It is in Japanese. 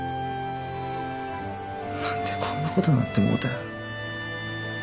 何でこんなことなってもうたんやろ。